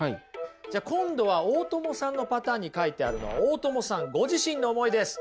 じゃあ今度は大友さんのパターンに書いてあるのは大友さんご自身の思いです。